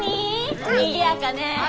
にぎやかね！